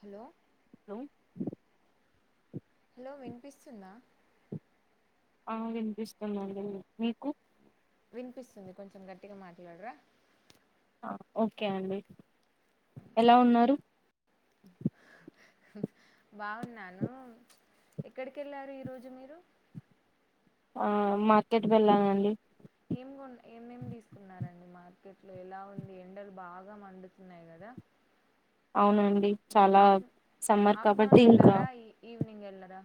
Hello hello hello వినిపిస్తుందా. ఆ వినిపిస్తుందండి మీకు వినిపిస్తుంది కొంచెం గట్టిగా మాట్లాడరా ఓకే అండి ఎలా ఉన్నారు? బాగున్నాను ఎక్కడికి వెళ్ళారు ఈ రోజు మీరు ఆ మార్కెట్ వెళ్ళాాలండి ఏం కొ ఏమేమి తీసుకున్నారండి మార్కెట్లో ఎలా ఉంది ఎండలు బాగా మండుతున్నాయి కదా అవునండి చాలా ఆఫ్ సమ్మర్ కాబట్టి ఇంకా వ్నింగ్ ఎళ్ళరా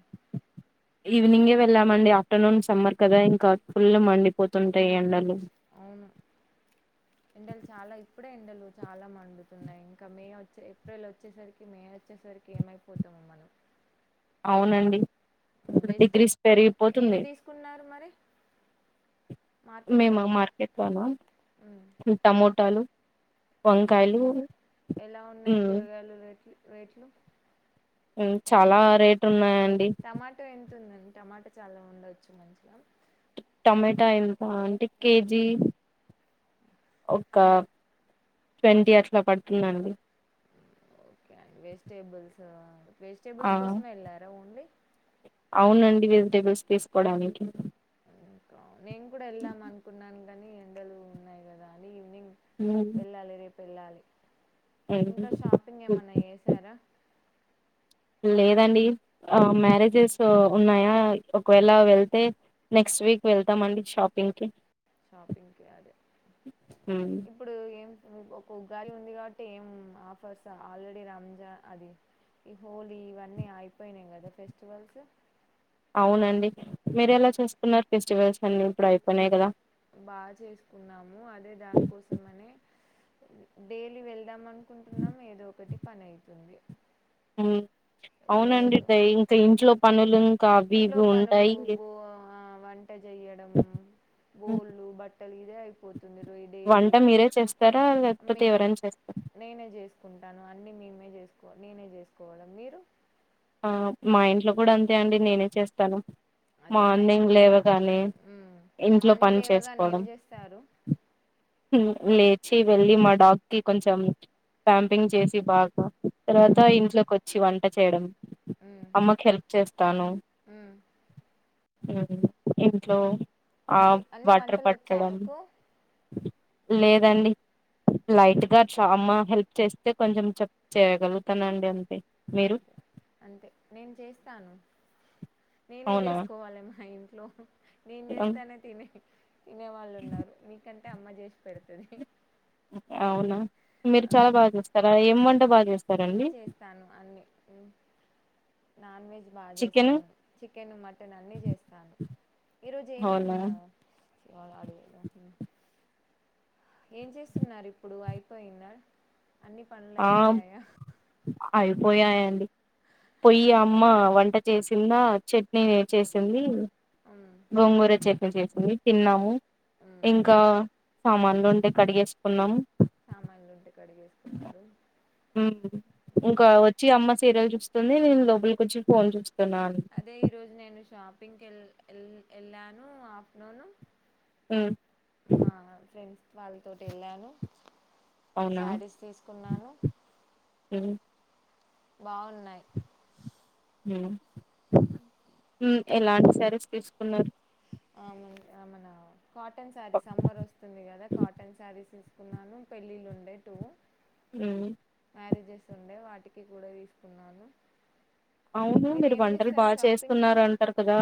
ఈవినింగే వెళ్ళామండి ఆఫ్టర్నూన్ సమ్మర్ కదా ఇంకా ఫుల్ మండిపోతుంటాయి ఎండలు అవును ఎండలు చాలా ఇప్పుడే ఎండలు చాలా మండుతున్నాయి ఇంక మే వచ్చే ఏప్రిల్ వచ్చేసరికి మే వచ్చేసరికి ఏమైపోతామో మనం ఔనండి వెజిటే డిగ్రీస్ ఏం పెరిగిపోతుంది తీసుకున్నారు మరి మార్కెట్లో మేమా మార్కెట్ లోనా టమోటాలు వంకాయలు టమోటా ఎలా ఉన్నాయి ఉమ్ కూరగాయలు రేట్లు రేట్లు ఉమ్ చాలా రేటున్నా టమాటో ఎన్ తుందన్ టమాటా చాలా ఉండొచ్చు మంచిగా టమేటా ఎంత అంటే కే జీ ఒక ట్వంటీ అట్లా పడుతుందండి ఓకే అండి వెజిటేబుల్స్ ఆ వెజిటేబుల్స్ కోసం వెళ్ళారా ఓన్లీ అవునండి వెజిటబుల్స్ తీసుకోవడానికి ఇంకా నేను కూడా వెళ్దాం అనుకున్నాను కానీ ఎండలు ఉన్నాయి గదా అని [inaudible] పెల్లాలి ఇంకా షాపింగ్ ఏమన్నా ఏసారా లేదండి మ్యారేజెస్ ఉన్నాయా ఒకవేళ వెళ్తే నెక్స్ట్ వీక్ వెళ్తామండి షాపింగ్కి షాపింగ్కి అది ఇప్పుడు ఏం ఒక ఉ గారి ఉంది కాబట్టి ఏం ఆఫర్స్ ఆల్రెడీ రంజా అది ఈ హోలీ ఇవన్నీ అయిపోయినాయి కదా ఫెస్టివల్స్ అవునండి మీరు ఎలా చేసుకున్నారు ఫెస్టివల్స్ న్ బాగా చేసుకున్నాము అదే దానికోసం అనే డైలీ వెళ్దామని అనుకుంటున్నాం ఏదో ఒకటి పని అవుతుంది అవునండి ఇంకా ఇంట్లో పనులు ఇంకా అవి ఇంట్లో ఇవి పనులు ఉంటాయి బో వంట చెయ్యడం హ్మ్. బోళ్ళ బట్టలు ఇదే అయిపోతుంది రోయ వంట డైలీ మీరే చేస్తారా లేకపోతే మేమే ఎవరైనా చేస్తారా నేనే చేసుకుంటాను అన్ని మేమే చేసుకు నేనే చేసుకోవాలి మీరు ఆ మా ఇంట్లో కూడా అంతే అండి నేనే చేస్తాను అదే టైం మార్నింగ్ లేవగానే ఇంట్లో మార్నింగ్ పని లేవగానే ఏం చేసుకోవడం చేస్తారు లేచి వెళ్ళి మా డాక్కిి కొంచెం ప్యాంపింగ్ మ్మ్. చేసి బాగా తర్వాత మ్మ్. ఇంట్లోకి వచ్చి వంట క చేయడం మ్మ్. అమ్మకు హెల్ప్ చేస్తాను మ్మ్. ఇంట్లో ఆ కర్రీ అన్ని వాటర్ వంటలు వచ్చా పట్టడం మీకు లేదండి లేదు లైట్గా చ అమ్మ హెల్ప్ చేస్తే కొంచెం చె చేయగలుగుతానండి అంతే మీరు అంతే అంతే నేను చేస్తాను నేనే అవునా చేసుకోవాల మా ఇంట్ ట్లో నేను హ్మ్. చేస్తానే తినీ తినే వాళ్ళు ఉన్నారు మీకం టే అమ్మ చేసి పెడుతది అవునా మీరు చాలా బాగా చేస్తార ఏం వంట బాగా చేస్తార్ అన్ని చేస్తాను అన్ని ఉ నాన్ వెజ్ బాగా చికెన్ చేస్తాను చికెన్ మటన్ అన్ని చేస్తాను. ఈరోజు ఏం అవునా అడగద ఏం చేస్తున్నారు ఇప్పుడు అయిపోయిందా అన్ని పనులు ఆ అయిపోయాయా అయిపోయాయండి పోయి అమ్మా వంట చేసిందా చట్నీ చేసింది ఉమ్, గోంగూర చెట్ చేసింది తిన్నాము ఉమ్. ఇంకా సామాన్లు ఉండే కడిగేసుకున్నాం సామాన్లు ఉంటే కడిగెస్ హ్ ఉమ్. ఇంకా వచ్చి అమ్మ సీరియాలు చూస్ స్తుంది నేను లోపలికిచ్చి ఫోను చూస్ అదే ఈ రోజు నేను షాప్ పింక్ ఎల్ ఎల్ ఏళ్ళాను ఆఫ్టర్నూన్ మ్మ్ మా ఫ్రెండ్స్ వాళ్ళతోటి ఏళ్ళాను అవునా శారీస్ తీసుకున్నాను మ్మ్ బాగున్నాయి హ్మ్ ఎలాంటి సారీస్ తీసుకున్నారు ఆమెన్ ఆమెనా కాటన్ శారీసమ్మర్ వస్తుంది కదా కాటన్ శారీస్స్ కున్నాను పెళ్ళిళ్ళు ఉండే టూ హ్మ్ మ్యారేజెస్ ఉండే వాటికి కూడా తీసుకున్నాను. అవును మీరు ఏం వంటలు బా చేస్తారు షాపింగ్ చేస్తున్నారు అంటారు కదా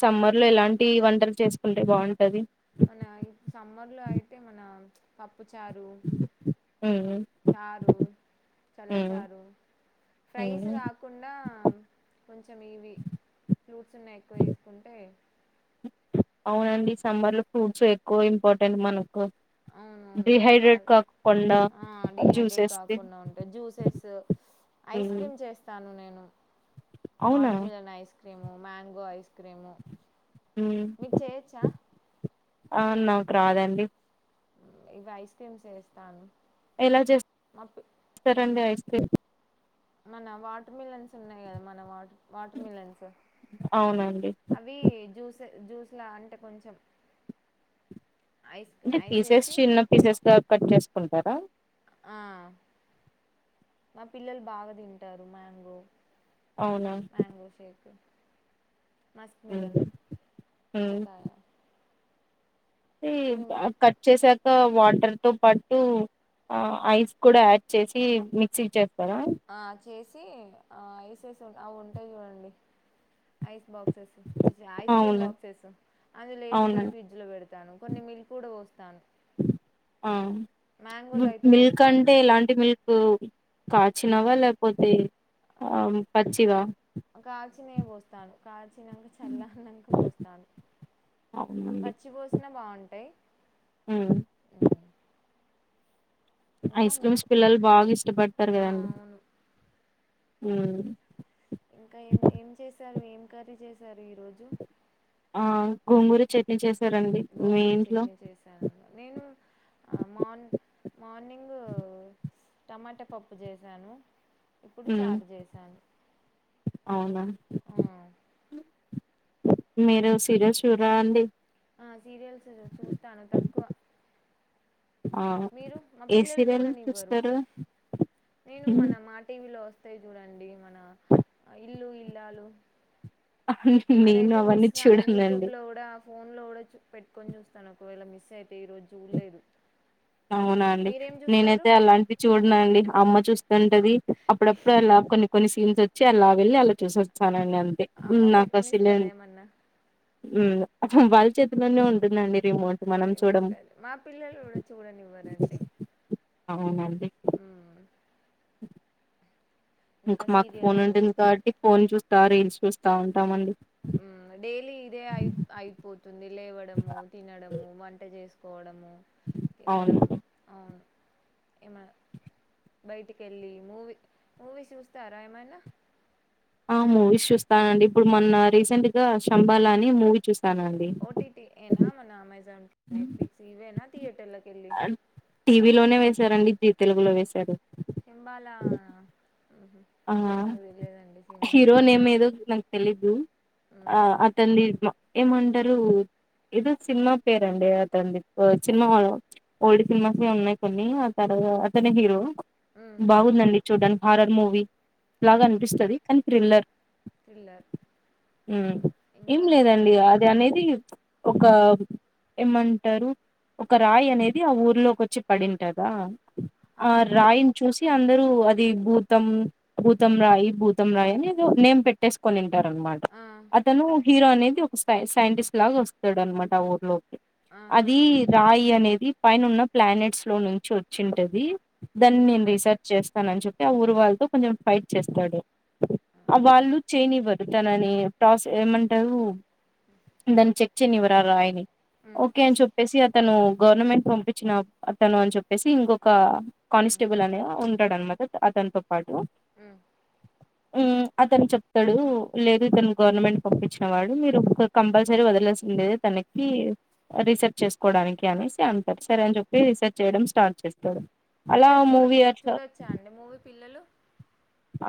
సమ్మర్ లో ఎలాంటి వంటలు చేసు ఉంటే బాంటది మన ఇ సమ్మర్ లో అయితే మన ప ప్పుచారు మ్మ్ చారు మ్మ్ చల్లచారు ఫ్రైస్ మ్మ్ కాకుండా కొంచెం ఇవి ఫ్లూడ్స్ ఉన్నా ఎక్కువ తీసుకుంటే అవునండి సమ్మర్ లో ఫ్రూట్స్ ఎక్కువ ఇంపార్టెంట్ మన కు అవునవును డిహైడ్రేట్ చాలా కాకోకుండా ఆ జ్యూసేస్తే సు ఐస్ క్రీమ్ చేస్తాను నేను అవునా water melon ice cream mango ice cream హ్మ్. మీకు చేయచ్చా ఆ నాకు రాదండి ఇవి ఐస్ క్రీమ్స్ చేస్తాను ఎలా మా పి చేస్తారండి ఐ ప్లేట్ మన వాటర్ మిలన్స్ ఉన్నాయి కదా మన వాటరు వాటర్ మిలన్స్. అవునండి. అవి జూస్ జూస్లా అంటే కొంచెం ఐస్ అంటే ఐస్ పీసెస్ ఏసి చిన్న పీసెస్ గా కట్ చేస్త చేకుంటారా ఆ మా పిల్లలు బాగా తింటారు మ్యాంగో అవునా? మ్యాంగో షేక్ మస్క్ హ్మ్. మిలన్ హ్మ్. పుచ్చకాయ ఈ ఇవి మా కట్ చేసాక ఆ వాటర్ తో పాటు ఐస్ కూడా యాడ్ చేసి మిక్సీడ్ చెప్పరా ఆ చేసి. ఆ ఐసేస్ ఉంటాయి చూడండి ఐ బాక్సెస్ ఛీఛీ ఐస్ క్రీమ్ అవును. బాక్సెస్. అందులో ఏసి ఢీ అవునండి. ఫ్రిడ్జ్ లో పెడతాను. కొన్ని మిల్క్ గుడా పోస్ తాను. ఆ అయితే మిల్క్ పోస్తాను అంటే ఎలాంటి మిల్క్ కాచినవా లేకపోతే, ఆ పచ్చివా కాల్చినే పోస్తాను. కాల్చినంక చల్లారినంక పోస్తాను. పచ్చి పోసినా బాగుంట టయి. మ్ ఇంకా ఐస్ క్రీమ్స్ మీకు పిల్లలు బాగా ఇష్టపడతారు ఆ కాదండి. అవును హ్ మ్ ఇంకా ఏం ఏం చేసారు. ఏం కర్రీ చేస్ కర్రీ ఈ రోజు. ఆ గోంగూర చట్నీ చేస్ గోంగూర చట్నీ చేశాను. నేను మార్ మార్నింగ్ టమాటా పప్పు చేసాను. ఇప్పుడు ఉమ్ చారు చేసాను. అవునా. మీరు సీరియల్స్ చూడ్రా అండి. ఆ సీరియల్స్ చూస్తాను తక్కువ ఆ మీరు మా ఏ పిల్లలు సీరియల్ చూడనివ్వరు చూస్తారు నేను హ్మ్. మన మా టీవీలో వస్తయి చూడండి మన ఇల్లు ఇల్లాలు అవునండి నేన్ అదైతే అవన్నీ మిస్ కాను చూడనండి యూట్యూబ్లో కూడా ఫోన్లో గుడా చూ పెట్టుకొని చూస్తాను ఒకవేళ మిస్ అయితే ఈరోజు చూడ్లేదు అవునాఅండి. నేనైతే అలాంటివి చూడనండి అమ్మ చూస్తుంటది అప్పుడప్పుడు అలా కొన్ని కొన్ని సీన్స్ వచ్చి అలా వెళ్ళి అలా చూసోస్తానండి. అంటే అమ్మ నా పెట్టనిస్తదా [inaudible] ఏమన్నా హ్మ్ వాళ్ళ చేతుల్లోనే ఉండందండి రిమోట్ ఏమంటారు మా పిల్లలు గుడా [inaudible] అవునా అ [inaudible] ఇంకా మాకు ఫోన్ సీరియల్స్ ఉంటుంది. కాబట్టి ఫోన్ చూసి రీల్స్ చూస్తా ఉంటామండి. డైలీ ఇదే అయి అయిపోతుంది లేవ తినడము వంట చే చేసుకోవడం అవును తిన్నడము అవును ఏమనా బయటికి వెళ్ళి మూవీ మూవీ చూస్తారా ఏమైనా. ఆ మూవీస్ చూస్తానండి ఇప్పుడు మొన్న రీసెంట్ గా శంబాలా అని మూవీ చూస్తా. ఓటిటి ఏనా మన అమెజాన్ నెట్ఫ్లిక్స్ ఇవ్వేనా థియటర్లోకేలి లోనే వేసారండి, జీ తెలుగులో వేసారు. శంభాల ఆ సినిమాస్ హీరో నేను నేమ్ తక్కు ఏదో నాకు తెలీదు. ఆ మ్మ్ అత్తంది మా ఏమంటారు ఏదో సినిమా పేరు అండి అతన ది సినిమా ఓల్డ్ సినిమాస్ ఉన్నాయి. కొన్ని అతను అతని హీరో మ్మ్ బాగుందండి చూడండి హారర్ మూవీ లాగ ఆరు అనిపిస్తుంది. కానీ థ్రిల్లర్ థ్రిల్లర్ హు ఏం ఇంకా ఏమి లేదండి అది అనేది ఒక ఏమంటారు ఒక రాయి అనేది ఆ ఊర్లోకి వచ్చి పడింటదా. ఆ రాయిని చూసి అందరు అది భూతం భూతం రాయి, భూతం రాయి అనేది నేమ్ పెట్టేసుకోని ఉంటారనామాట ఆ అతను హీరో అనేది ఒక సై సైంటిస్ట్ లాగా వస్తాడు. అనమాట ఆ ఊర్లో ఆ అది రాయి అనేది పైన ఉన్న ప్లానెట్స్ లో నుంచి వచ్చింటది. దని ఉమ్ నన్ రీసర్చ్ చేస్త. వస్తా అ చెప్ప ఆ ఊరు వాళ్ళతో కొంచెం ఫైట్ చేస్తాడు వాళ్ళు చేయనివ్వరు. తనని ప్రస ఏమంటారు. దాన్ని చెక్ చేయనివ్వరు ఆ రాయిని ఉమ్ ఓకే అని చెప్పేసి అ తను గవర్నమెంట్ పంపించిన తను అని చెప్పేసి ఇంకొక కాన్స్టేబల్ అనే ఉ ఉంటాడు అతనుతో పడతదా మ్ మ్ అతను చెప్తాడు లేదు ఇతను గవర్నమెంట్ పంపించిన వాడు మీరు కంపల్సరీ వదలాల్సిందే తనకి రీసెర్చ్ చేసుకోవడానికి అనేసి అంటారు సరే అని చెప్పి రీసెర్చ్ చేయడం స్టార్ట్ చేస్తాడు అలా పిల్లలు చూడ మూవీ అట్లా చూడొచ్చా అండి మూవీ పిల్లలు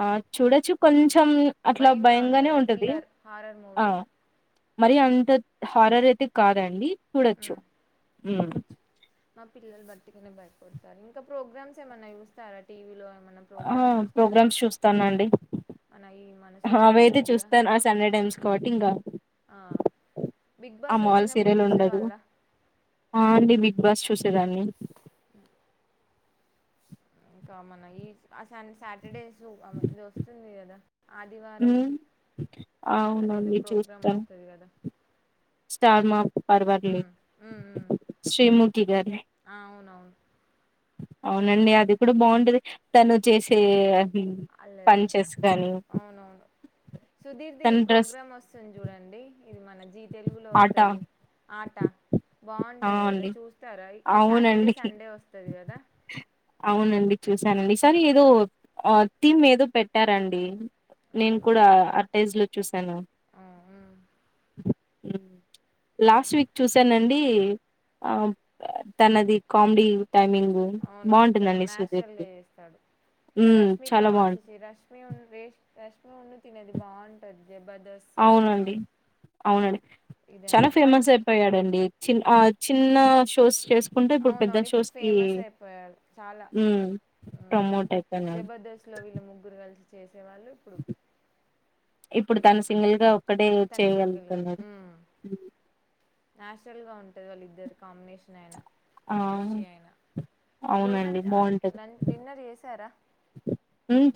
ఆ చూడచ్చు కొంచం మం అట్లా భయంగా భయంగానే ఉంటుందా ఉంటది థ్రిల్లర్ హారర్ ఆ మూవీ మరి అంత హారర్ అయితే కాదండి చూడొచ్చు ఉమ్ మ్ చూడొచ్చు మా పిల్లలు బర్తికనే భయపడతారు ఇంకా ప్రోగ్రామ్స్ ఏమన్నా చూస్తారా టీవీలో ఏమన్నా ఆ ప్రోగ్రామ్స్ చూస్తారా ప్రోగ్రామ్స్ చూస్తానండి మన ఈ మన అవి సూపర్ అయితే జోడియా చూస్తాను ఆ సండే టైమ్స్ కాబట్టి ఇంకా ఆ బిగ్ ఆ బాస్ మాల్ వచ్చినప్పుడు సీరియల్ ఉండదు చూసేవాళ్ళ ఆ అండి బిగ్ బాస్ చూసేదాన్ని మ్ కమన ఈ అసన్ సా త్రీ డేస్ ఆమె ఇది వస్తుంది కదా ఆదివారం హ్మ్. అదేదో అవునండి ప్రోగ్రామ్ చూస్తాను. వస్తది కదా స్టార్ మా పరివార్ ఉమ్ లీగ్ ఉమ్ ఉమ్ శ్రీముఖి గారిది ఆ అవునవును అవునండి అది కూడా బాగుంటది తను చేసే అల్లరి పంచెస్ గాని అవునవును సుధీర్ది ఈ తన డ్రెస్ ప్రోగ్రాం వస్తుంది చూడండి ఇది మన జీ తెలుగులో ఆట వస్తది ఆట ఆ బాగుంటది కదా అండి చూస్తారా ఈ సాటర్డే అవునండి సండే వస్తది కదా అవునండి చూసానండి ఈసారి ఏదో థీమ్ ఏదో పెట్టారండి నేను కూడా అవునవును అ టైజ్లు చూశాను ఆ మ్ లాస్ట్ వీక్ చూసానండి ఆ తనది కామెడీ టైమింగ్ అవునవును తను బాగుంటుందండి నాచురల్ గా సుధీర్ది చేస్తాడు రష్మిక చాలా చీ బాగుంటుంది చీ రష్మి ఉ రేష్మ ర న్ తినేది బాగుంటది జబర్దస్త్ అవునండి అవునండి చానా ఇదైనా మ ఫేమస్ అయిపోయాడండి చి ఆ చిన్న షోస్ చేసుకు అవునవును ఇప్పుడు ఫేమస్ అయిపోయాడు చాలా మ్మ్ మ్ ప్రమోట్ అయిపోయినాడు జబర్దస్త్ లో వీళ్ళ ముగ్గురు కలిసి చేసి చ్చే వాళ్ళు ఇప్పుడు ఇప్పుడు తను సింగల్ గా ఒక్కడే తను సింగిల్గా చేయగలుగుతున్నాడు ల్ గా ఉంటు వాళ్ళిద్దరు కాంబినేషన్ అయినా ఆ కెమిస్ట్రీ అయినా అవునండి బాగుంటది భోజనం డిన్నర్ చేసారా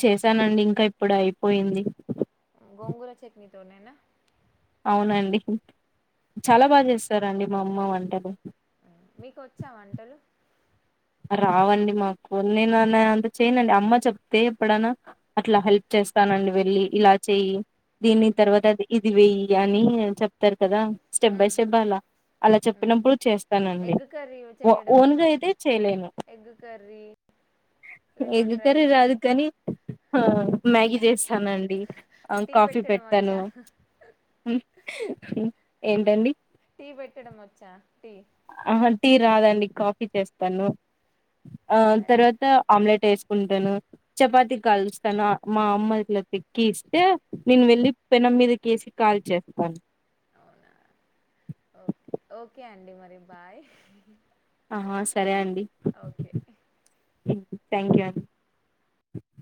చేశానండి ఇంకా ఇప్పుడు అయిపోయింది గంగూలు చ చెట్ని దోననా అవునండి చాలా బాగా చేస్తారండి మా అమ్మ అంటారు మీకొచ్చాం వంటలు రావండి మాకు నేను అన్న అంత చేయనండి అమ్మ చెప్తే ఎప్పుడనా ఆ అట్లా హెల్ప్ చేస్తానండి వెళ్ళ ఇలా చెయ్యి దీని ఉమ్ తర్వాత ఇది వెయ్యి అని చెప్తారు కదా స్టెప్ బై ఉమ్ స్టెప్ అలా అలా ఉమ్ చెప్పినప్పుడు ఎగ్ కర్రీ చేస్తానండిఓ చేయడం ఓన్గా అయితే చేయలేను egg curry egg lemon curry rice రాదు కానీ ఆ మ్యాగీ చేస్తానండి, టీ కాఫీ పెట్టడం పెడతాను వచ్చా ఏంటండి టీ పెట్టడం వచ్చా టీ ఆహ టీ రాదండి కాఫీ చేస్తాను ఆ సరే తర్వాత ఆమ్లెట్ వేసుకుంటాను, చపాతి కలుస్తాను, మా అమ్మ ఇట్లా తిక్కి ఇస్తే, నేను వెళ్ళి పెనం మీదకి వసి కాల్ చేతను ఓకే అండి మరి బాయ్ ఆ సరే అండి ఓకే థ్యాంక్ యూ అం